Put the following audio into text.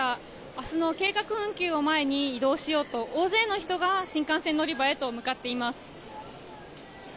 明日の計画運休を前に移動しようと大勢の人が新幹線乗り場へと向かっています。